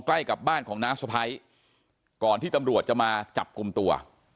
ใกล้กับบ้านของน้าสะพ้ายก่อนที่ตำรวจจะมาจับกลุ่มตัว